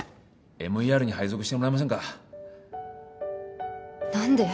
ＭＥＲ に配属してもらえませんか？何で？